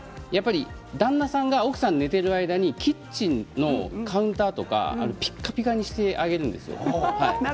旦那さんが奥さんが寝ている間にキッチンのカウンターをピカピカにしてあげるんです。